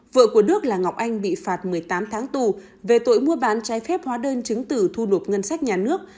vợ của đức là ngọc anh bị phạt một mươi tám tháng tù về tội mua bán trái phép hóa đơn chứng tử thu nộp ngân sách nhà nước